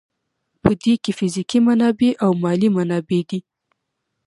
په دې کې فزیکي منابع او مالي منابع دي.